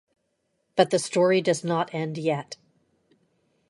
But the story does not end yet.